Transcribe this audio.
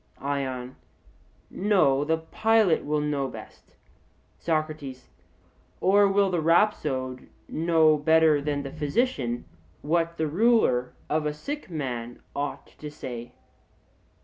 ION: No; the pilot will know best. SOCRATES: Or will the rhapsode know better than the physician what the ruler of a sick man ought to say?